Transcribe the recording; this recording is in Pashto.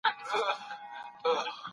خپله حافظه د مطالعې په واسطه پیاوړې کړه.